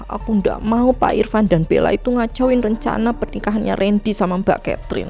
aku nggak mau pak irfan dan bella itu ngacauin rencana pernikahannya randy sama mbak catherine